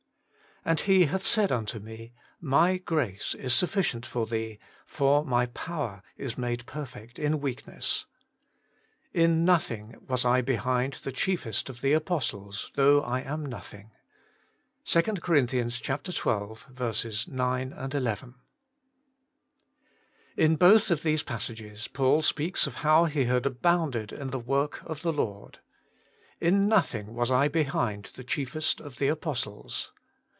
And He hath said unto me, My grace is suffi cient for thee: for My power is made perfect in weakness. ... In nothing was I behind the chiefest of the apostles, though I am nothing.' — 2 Cor. xii. 9, ii. IN both of these passages Paul speaks of how he had abounded in the work of the Lord. ' In nothing was I behind the chiefest of the Apostles.'